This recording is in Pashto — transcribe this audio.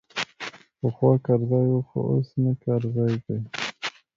پخوا کرزی وو خو اوس نه کرزی دی.